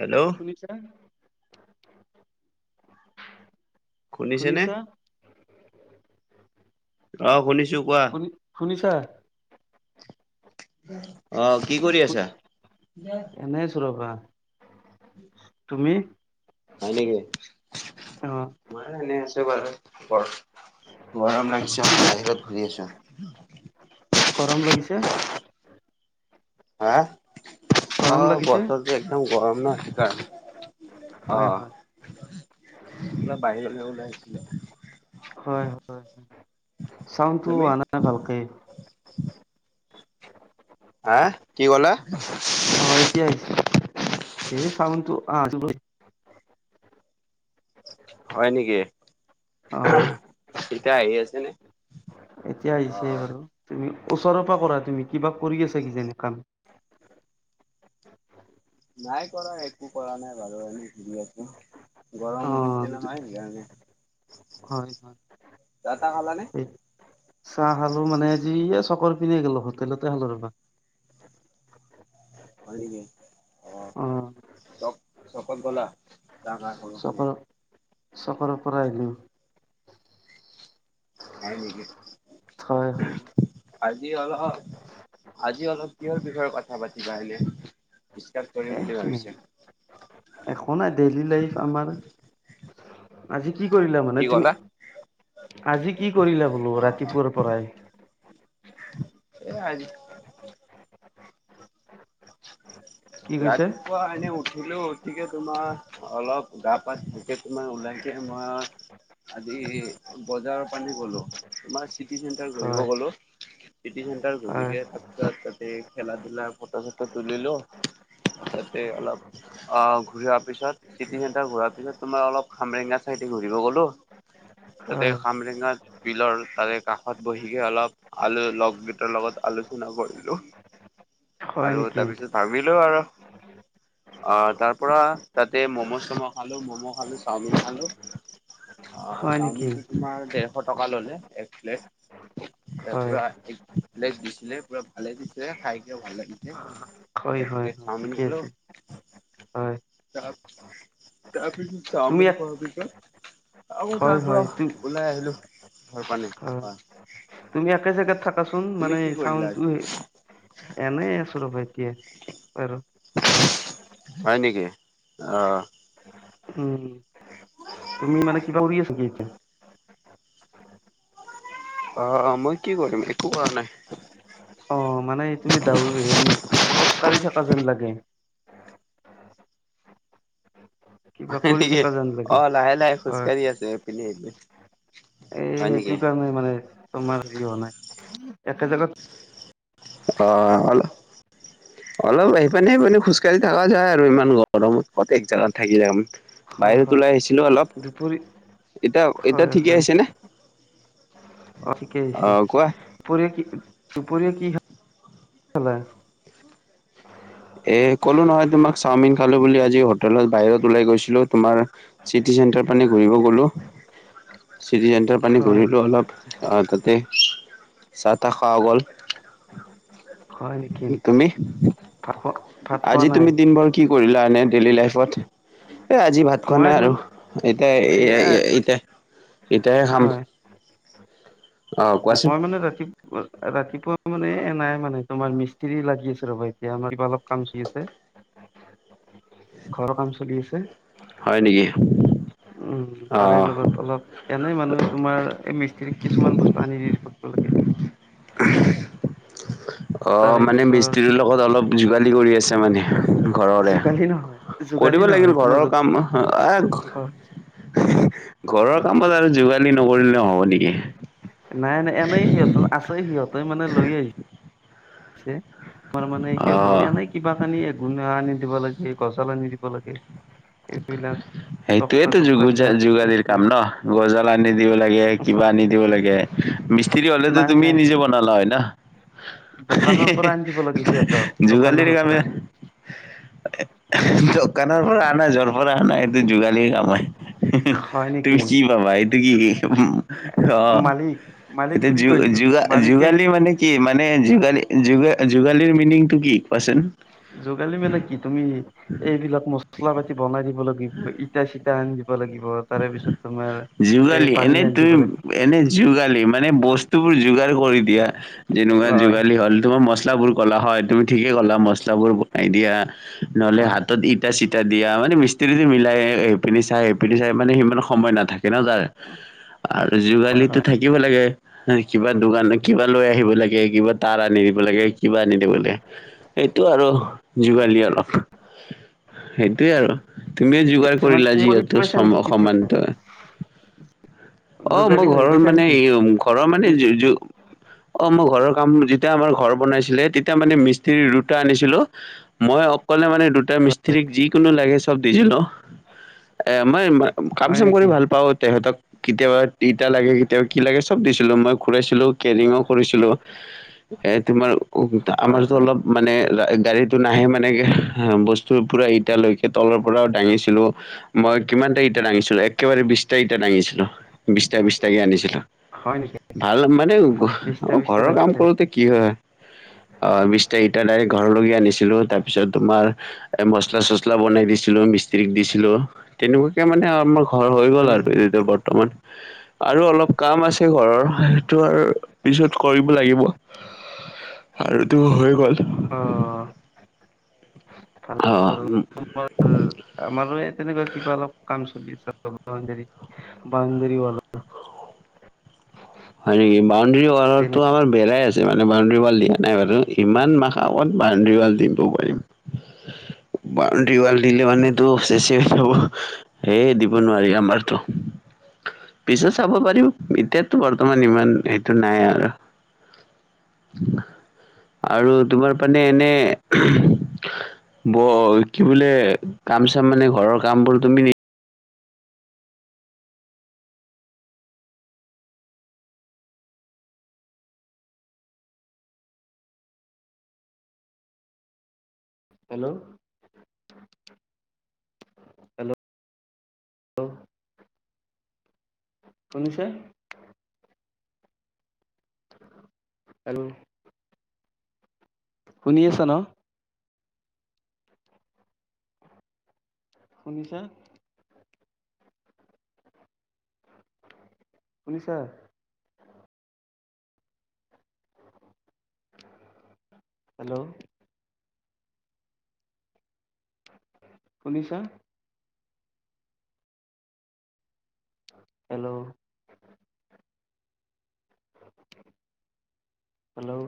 Hello শুনিছা? শুনিছেনে শুনিছা অহ শুনিছো কোৱা শুনি শুনিছা অহ কি কৰি আছা এনেই আছো ৰবা উম তুমি হয় নেকি অ মা এনে আছে বাৰু ওপৰত গৰম লাগিছে কি মানে কৈ বাহিৰত ঘূৰি আছো গৰম লাগিছে হা অ গৰম লাগিছে বতৰতো একদম গৰম ন সেই কাৰণে হয় হয় ন বাহিৰলৈ ওলাই আহিছো ৰ হয় হয় চাউণ্ডটো তুমি? অহা নাই ভালকে হা কি ক'লা অ এতিয়া আহিছে এই চাউণ্ডটো অহা নাছিল হয় নেকি অ অহ এতিয়া আহি আছে নে? এতিয়া অ আহিছে বাৰু তুমি ওচৰৰ পৰা কৰা তুমি কিবা কৰি আছে কিজানি কাম নাই কৰা একো কৰা নাই বাৰু এনেই ঘূৰি আছো অ গৰম দিছে নহয় সেইকাৰণে হয় হয় চাহ টাহ খালানে এই চাহ খালো মানে আজি এই চকৰ পিনে গলো হোটেলতে খালো ৰবা হয় নকি অ চক চকত গলা যঙা কৰ নে চহৰৰ পৰা আহিলো হয় নেকি হয় হয় আজি অলপ আজি অলপ কিহৰ বিষয়ে কথা পাতিবা এনে ডিচকাচ কৰিম এ বুলি এনেই ভাবিছে একো নাই ডেইলি লাইফ আমাৰ আজি কি কৰিলা কি মানে তুমি ক'লা আজি কি কৰিলা বোলো অ অ ৰাতিপুৱাৰ পৰাই এ আজি হয় ৰাতিপুৱা এনে উঠিলো উঠিকে তোমাৰ অলপ গা পা থিকে তোমাৰ ওলাই এয়া মই আজি বজাৰৰ পানী গলো তোমাৰ চিটি চেণ্টাৰ ঘূৰিব হয় গলো চিটি চেণ্টাৰ ঘূৰি হয় তাৰপিছত তাতে খেলা ধূলা ফটা চ টো তুলিলো তাতে অলপ অ ঘূৰা পিছত চিটি চেন্টাৰ ঘূৰা পিছত তোমাৰ অলপ খামৰেঙ আ খেতি কৰিব গলো তাতে হয় খামৰেঙাত বিলৰ তাৰে কাষত বহিকে অলপ আল লগকেইটাৰ লগত আলোচনা কৰিলো [unintelligible] আৰু নেকি তাৰ পিছত ভাবিলো আৰু [unintelligible] অহ তাৰ পৰা তাতে ম'ম' চম' খালো মম' খালো চাওমিন খালো অ হয় নেকি চাওমিনটো তোমাৰ ডেৰশ টকা ললে এক প্লেট এ হয় পুৰা প্লেট দিছিলে পুৰা ভালে দিছিলে খাইকে ভাল লাগিছিল হয় এক হয় প্লেট হয় চাওমিন ঠিকে খালো আছে হয় তাৰ তাৰপিছত তুমি চাওমিন এক খোৱাৰ পিছত আকৌ হয় তাৰপৰা হয় তু ওলাই আহিলো ঘৰ পানে হয় তুমি একে জেগাত থাকাচোন তুমি মানে কি কৰিলা চাডণ্ডটো এই এনেই আছো ৰবা এতিয়া আৰু হয় নেকি? অহ। উম, তুমি মানে কিবা কৰি আছা নেকি? আহ মই কি কৰিম একো কৰা নাই। অ মানে তুমি হেৰি খোজকাঢ়ি থকা যেন লাগে। কিবা কৰি থকা যেন লাগে অ লাহে লাহে হয় খোজকাঢ়ি আছো ইপিনে সিপিনে। এই সেইটো কাৰণে মানে তোমাৰ হেৰি হোৱা নাই, একে জগাত অহ অলপ ইপিনে সিপানে খোজকাঢ়ি থাকা যায় আৰু ইমান গৰমত কত এক জাগাত থাকি যাম হয় বাহিৰত হয় ওলাই আহিছিলো অলপ দুপৰি এতিয়া এতিয়া হয় ঠিকেই হয় আহিছে নে? অ ঠিকেই অ আহিছে কোৱা দুপৰীয়া কি দুপৰীয়া কি খালা? এ ক'লো নহয় তোমাক চাওমিন খালো বুলি, আজি হোটেলত বাহিৰত ওলাই গৈছিলোঁ তোমাৰ চিটি চেণ্টাৰ পিনে ঘূৰিব গলো। চিটি চেণ্টাৰ পিনে হয় ঘূৰিলোঁ হয় অলপ, অ তাতে চাহ তাহ খোৱা গল। হয় নেকি তুমি? ভাত খোৱা ভাত খোৱা আজি নাই তুমি দিনবৰ কি কৰিলা এনে ডেইলি লাইফত এ আজি ভাত খোৱা মই নাই আৰু। ইমান এই এতিয়া ইতা এতিয়াহে খাম। হয় অ মই মানে ৰাতি ৰাতিপুৱা মানে এ নাই মানে তোমাৰ মিস্ত্ৰী লাগি আছে ৰ'বা এতিয়া আমাৰ কিবা অলপ কাম চলি আছে। ঘৰৰ কাম চলি আছে। [inaudible] উম অ তাৰে লগত অলপ এনেই মানুহে তোমাৰ এই মিস্ত্ৰীত কিছুমান বস্তু আনি দি থাকিব লাগে। অ তাৰে মানে পিছত মিস্ত্ৰিৰৰ লগত অলপ যোগালি কৰি আছে মানে? ঘৰৰে যোগালী নহয়, যোগালী কৰিব নহয় লাগিল তোমাৰ ঘৰৰ যত কাম আ [inaudible] ঘৰৰ কামত আৰু যোগালি নকৰিলেও নহ'ব নেকি। নাই নাই এনেই সিহঁত আছে সিহঁতে মানে লৈ আহিছে পিছে তোমাৰ মানে অ সিহঁতক এনেই কিবা কানি গুণা আনি দিব লাগে, গজাল আনি দিব লাগে। এইবিলাক তক্তা সেইটোয়েতো য চক্তা বিলাক হেৰি যোগালিৰ কাম কৰি ন গজাল আনি দিব লাগে কিবা পানী দিব লাগে মিস্ত্ৰি হলেতো নাই তুমি নাই নিজে বনালা হয় ন। দোকানৰ পৰা আনি দিব লাগে সিহঁতক দোকানৰ যোগালিৰ কামহে। পৰাই দোকানৰ পৰা ৰ পৰা নাই এইটো যোগালীৰ কাম হয়, হয় নেকি তুমি কি ভাবা এইটো কি অ। মালিক মালিক এতিয়া বুলি যো কয় তোক যো মালিকে যোগালি মানে কি মানে যোগালি যো যোগালীৰ মিনিংটো কি কোৱাচোন? যোগালী মছলা‌ পাতি বনাই দিব লাগিব, ইটা চিটা আনি দিব ত' তাৰে পিছত তাৰমানে যোগালী এনে তুমি এনে যোগালী মানে বস্তুবোৰ যোগাৰ কৰি দিয়া। যেনেকুৱা হয় যোগালি হ'ল তোমাৰ মছলা বোৰ কলা হয় তুমি ঠিকে কলা মছলা বোৰ বনাই দিয়া, নহলে হয় হাতত ইটা চিটা দিয়া মানে মিষ্ট্ৰিৰে মিলাই এইপিনি চাই সেইপিনি চাই মানে সিমান সময় নাথাকে ন তাৰ আৰু হয় যোগালিতো হয় থাকি পেলাই কিবা দোকান কিবা লৈ আহিব লাগে, কিবা তাৰ আনি দিব লাগে, কিবা আনি দি বলে এইটো আৰু যোগালি অলপ। সেইটোয়ে আৰু তুমিও ঠিকে যোগাৰ আছে মানে কৰিলা তুমি কৰি যিহেতু পাইছা সম নেকি কেতিয়া সমান্তৰে। অ মই যোগালী হৈ ঘৰৰ পাইছা মানে নেকি ঘৰৰ মানে বিশ- অ মোৰ ঘৰৰ কাম যেতিয়া আমাৰ ঘৰ বনাইছিলে তেতিয়া মানে মিস্ত্ৰী দুটা আনিছিলো, মই অকলে মানে দুটা মিস্ত্ৰীক যি কোনো লাগে চব দিছিলোঁ। এ মই কাম হয় চাম কৰি নেকি ভাল পাওঁ তেহেঁতক কেতিয়াবা তিতা লাগে কেতিয়াবা কি লাগে চব দিছিলো মই ঘূৰাইছিলো কেৰিঙও কৰিছিলো এই তোমাৰ উও হয় আমাৰতো হয় অলপ মানে গাড়ীটো নাহে মানে বস্তু পুৰা ইটালৈকে তলৰ পৰা দাঙিছিলোঁ মই কিমানটা ইটাত দাঙিছিলো একেবাৰে বিছটা ইটাত দাঙিছিলো বিছটা বিছটাকে আনিছিলোঁ। হয় নেকি ভাল মানে বিশটা অ বিশটা ঘৰৰ কাম লাগিছে কৰোঁতে কি হয় অ বিছটা ইটা এতিয়া ডাইৰেক্ট ঘৰলৈ আনিছিলোঁ তাৰ পিছত তোমাৰ এ মছলা চচলা বনাই দিছিলোঁ মিস্ত্ৰী মিস্ত্ৰীক দিছিলো তেনেকুৱাকে মানে আমাৰ ঘৰ হৈ হয় গ'ল আৰু নেকি? এইয়া বৰ্তমান [unintelligible] আৰু অলপ কাম আছে ঘৰৰ সেইটো আৰু পিছত কৰিব লাগিব। আৰুতো হৈ গ'ল অ ভাল অহ উম তোমাৰ আমাৰো এই তেনেকুৱা কিবা অলপ কাম চলি আছে বাউণ্ডেৰী বাউণ্ডেৰী [unintelligible] হয় নেকি বাউণ্ডাৰী ৱাৰটো আমাৰ বেলাই আছে মানে বাউণ্ডৰী ৱাল দিয়া নাই বাৰু ইমান মাহ আগত বাউণ্ডৰী ৱাল দিব পাৰিম উ [unintelligible] বাউণ্ডেৰী ৱাল দিলে মানে চেছে হৈ যাব সেয় দিব নোৱাৰি আমাৰতো পিছত চাব পাৰি এতিয়ো বৰ্তমান ইমান এইটো নাই আৰু আৰু তোমাৰ মানে এনে ব কি বোলে কাম চাম মানে ঘৰৰ কাম বোৰ তুমি নি হেল্ল' হেল্ল' শুনিছে হেল্ল' শুনি আছা ন শুনিছা শুনিছা হেল্ল' শুনিছা হেল্ল' হেল্ল'